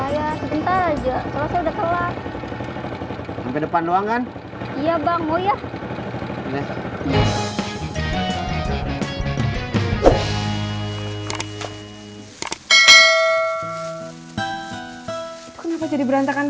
yang ini saya goreng ya mak